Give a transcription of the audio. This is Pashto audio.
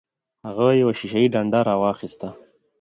هغه یوه شیشه یي ډنډه راواخیسته.